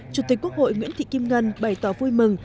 chủ tịch quốc hội nguyễn thị kim ngân bày tỏ vui mừng